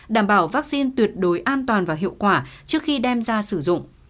đảm bảo vaccine tuyệt đối an toàn và hiệu quả trước khi đem ra sử dụng